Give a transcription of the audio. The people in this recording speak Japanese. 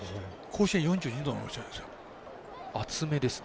甲子園、４２度のお茶ですよ。